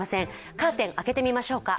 カーテン、開けてみましょうか。